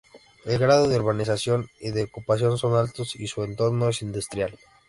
El grado de urbanización y de ocupación son altos y su entorno es industrial.